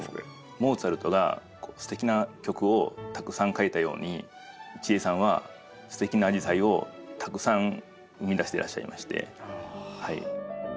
モーツァルトがすてきな曲をたくさん書いたように一江さんはすてきなアジサイをたくさん生み出してらっしゃいまして。